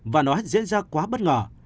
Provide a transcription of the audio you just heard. và nó hết diễn ra quá bất ngờ